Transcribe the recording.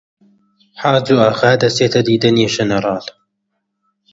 حاجۆ ئاغا دەچێتە دیدەنی ژنەراڵ